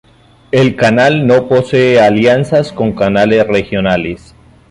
El canal no posee alianzas con canales regionales.